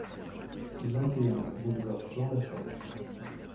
vingt et un boulevard Jean Lafaure